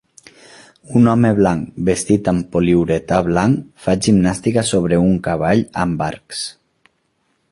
Un home blanc vestit amb poliuretà blanc fa gimnàstica sobre un cavall amb arcs.